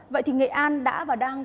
vậy thì nghệ an đã và đang